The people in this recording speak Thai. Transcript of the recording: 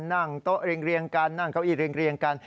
นั่งโต๊ะเรียงกันนั่งเก้าอี้เรียงกัน